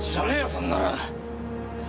そんなの！